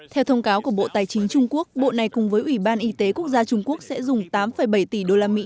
theo thông cáo của bộ tài chính trung quốc bộ này cùng với ủy ban y tế quốc gia trung quốc sẽ dùng tám bảy tỷ đô la mỹ